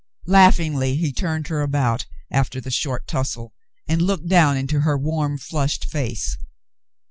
Laughingly he turned her about after the short tussle, and looked down into her warm, flushed face.